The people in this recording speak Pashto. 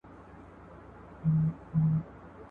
کله کله به لا سر سو په رمباړو !.